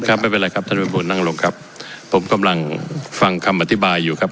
ครับไม่เป็นไรครับท่านวิบูรณนั่งลงครับผมกำลังฟังคำอธิบายอยู่ครับ